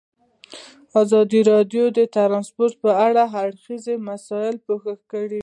ازادي راډیو د ترانسپورټ په اړه د هر اړخیزو مسایلو پوښښ کړی.